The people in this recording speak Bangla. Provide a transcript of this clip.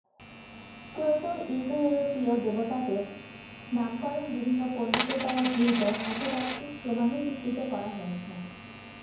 প্রোটো-ইন্দো-ইউরোপীয় দেবতাদের নামকরণ বিভিন্ন পন্ডিতের দ্বারা গৃহীত ভাষাতাত্ত্বিক প্রমাণের ভিত্তিতে করা হয়েছে।